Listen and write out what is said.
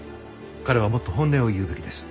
彼はもっと本音を言うべきです。